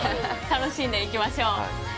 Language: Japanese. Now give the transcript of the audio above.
楽しんでいきましょう。